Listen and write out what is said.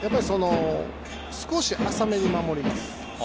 少し浅めに守ります。